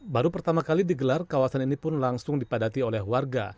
baru pertama kali digelar kawasan ini pun langsung dipadati oleh warga